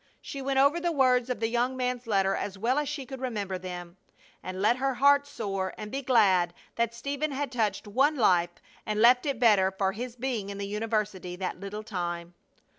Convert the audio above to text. She went over the words of the young man's letter as well as she could remember them, and let her heart soar and be glad that Stephen had touched one life and left it better for his being in the university that little time.